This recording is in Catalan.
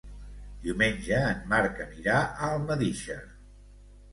Diumenge en Marc anirà a Almedíxer.